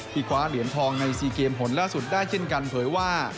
คว้าเหรียญทองใน๔เกมผลล่าสุดได้เช่นกันเผยว่า